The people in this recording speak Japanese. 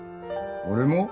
俺も？